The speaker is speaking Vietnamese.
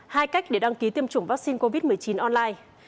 hai cách để đăng ký tiêm chủng vaccine covid một mươi chín online